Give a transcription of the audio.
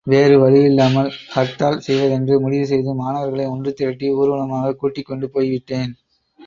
வேறு வழியில்லாமல் ஹர்த்தால் செய்வதென்று முடிவு செய்து மாணவர்களை ஒன்று திரட்டி ஊர்வலமாகக் கூட்டிக் கொண்டுபோய் விட்டேன்.